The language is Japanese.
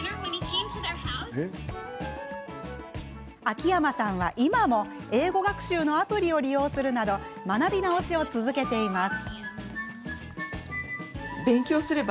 秋山さんは今も英語学習のアプリを利用するなど学び直しを続けています。